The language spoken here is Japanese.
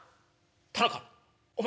「田中お前